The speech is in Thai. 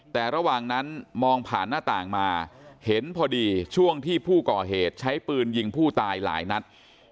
แต่ระหว่างนั้นมองผ่านหน้าต่างมาเห็นพอดีช่วงที่ผู้ก่อเหตุใช้ปืนยิงผู้ตายหลายนัด